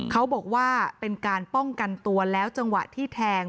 เขาบอกว่าเป็นการป้องกันตัวแล้วจังหวะที่แทง